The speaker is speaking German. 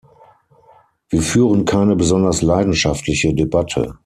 Wir führen keine besonders leidenschaftliche Debatte.